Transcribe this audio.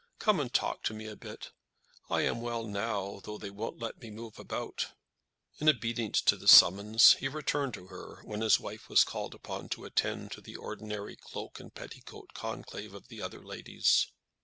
Come and talk to me a bit. I am well now, though they won't let me move about." In obedience to this summons, he returned to her when his wife was called upon to attend to the ordinary cloak and petticoat conclave of the other ladies.